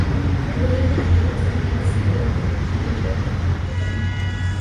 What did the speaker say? El poder ejecutivo lo ostentan el Presidente de la Generalidad de Cataluña.